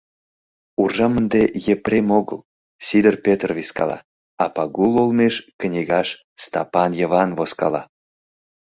Уржам ынде Епрем огыл, Сидыр Петр вискала, а Пагул олмеш книгаш Стапан Йыван возгала.